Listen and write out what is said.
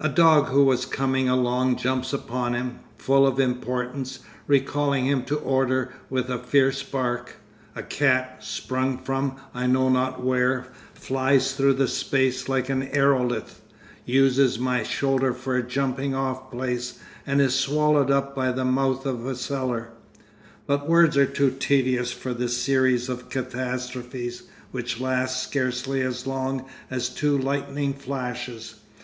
A dog who was coming along jumps upon him, full of importance, recalling him to order with a fierce bark. A cat, sprung from I know not where, flies through space like an aerolith, uses my shoulder for a jumping off place, and is swallowed up by the mouth of a cellar. But words are too tedious for that series of catastrophes, which lasts scarcely as long as two lightning flashes.